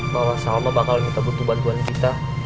bahwa salma bakal minta butuh bantuan kita